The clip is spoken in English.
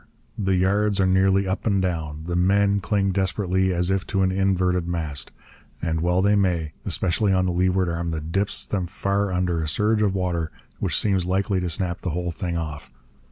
The yards are nearly up and down. The men cling desperately, as if to an inverted mast. And well they may, especially on the leeward arm that dips them far under a surge of water which seems likely to snap the whole thing off.